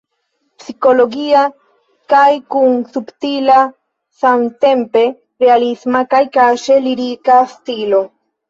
Psikologia kaj kun subtila samtempe realisma kaj kaŝe lirika stilo.